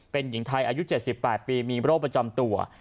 เป็นหญิงไทยอายุ๗๘ปีมีโรคประจำตัว